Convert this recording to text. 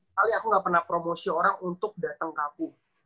paling aku nggak pernah promosi orang untuk datang ke aku